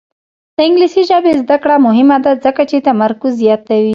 د انګلیسي ژبې زده کړه مهمه ده ځکه چې تمرکز زیاتوي.